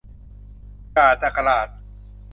จ๋า จักราช